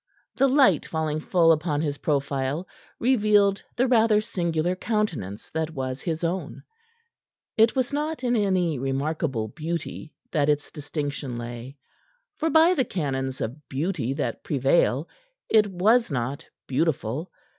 The light falling full upon his profile revealed the rather singular countenance that was his own. It was not in any remarkable beauty that its distinction lay, for by the canons of beauty that prevail it was not beautiful.